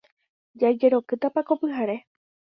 Jajerokýtapa ko pyhare.